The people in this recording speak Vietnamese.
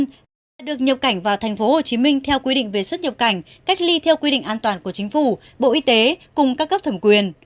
khách quốc tế đã được nhập cảnh vào tp hcm theo quy định về xuất nhập cảnh cách ly theo quy định an toàn của chính phủ bộ y tế cùng các cấp thẩm quyền